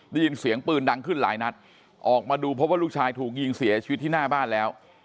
ได้ยินเสียงปืนดังขึ้นหลายนัดออกมาดูพบว่าลูกชายถูกยิงเสียชีวิตที่หน้าบ้านแล้ว